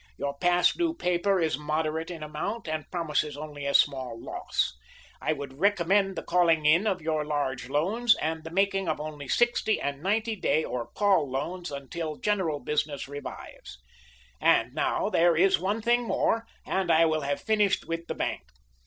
Your past due paper is moderate in amount, and promises only a small loss. I would recommend the calling in of your large loans, and the making of only sixty and ninety day or call loans until general business revives. And now, there is one thing more, and I will have finished with the bank.